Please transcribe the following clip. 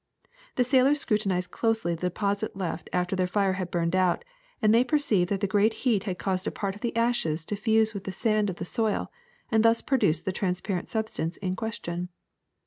The sailors scrutinized closely the deposit left after their fire had burned out, and they perceived that the great heat had caused a part of the ashes to fuse with the sand of the soil and thus produce the transparent substance in question.